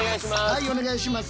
はいお願いします。